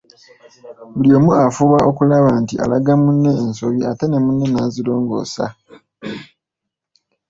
Buli omu afuba okulaba nti alaga munne ensobi ate ne munne nazirongoosa.